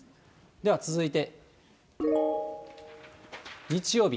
では続いて、日曜日。